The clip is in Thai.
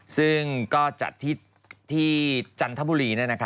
ซึ่งก็จัดที่จันทบุรี